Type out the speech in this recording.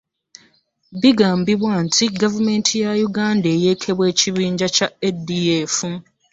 bigambibwa nti gavumenti ya uganda eyeekebwa ekibinja kya adf.